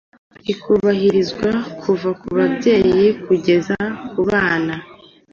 rikubahirizwa kuva ku babyeyi kugeza ku bana,